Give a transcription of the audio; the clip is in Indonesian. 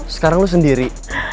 sekarang lo sendiri